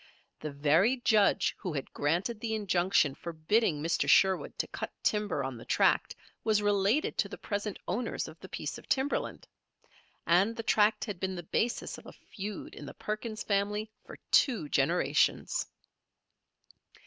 The very judge who had granted the injunction forbidding Mr. Sherwood to cut timber on the tract was related to the present owners of the piece of timberland; and the tract had been the basis of a feud in the Perkins family for two generations.